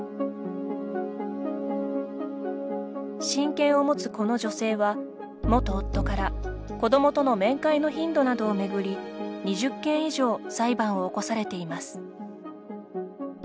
親権を持つこの女性は元夫から、子どもとの面会の頻度などをめぐり２０件以上裁判を起こされています。